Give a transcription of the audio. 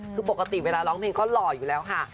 คือปกติเวลาร้องเพลงก็หล่ออยู่แล้วค่ะ